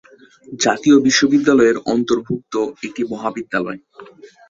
জাতীয় বিশ্ববিদ্যালয়ের অন্তর্ভুক্ত একটি মহাবিদ্যালয়।